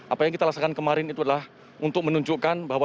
apa yang kita laksakan kemarin itu adalah untuk menunjukkan bahwa